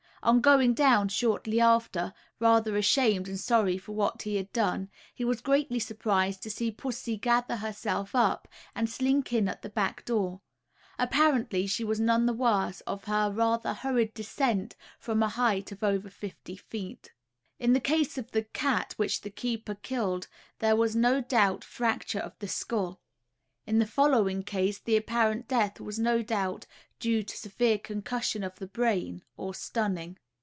On going down shortly after, rather ashamed and sorry for what he had done, he was greatly surprised to see pussy gather herself up, and slink in at the back door. Apparently she was none the worse of her rather hurried descent from a height of over fifty feet. In the case of the cat which the keeper "kill'd," there was no doubt fracture of the skull. In the following case, the apparent death was no doubt due to severe concussion of the brain, or stunning.